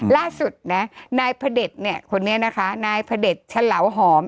ล่าสุดนะนายพระเด็จเนี่ยคนนี้นะคะนายพระเด็จฉลาวหอม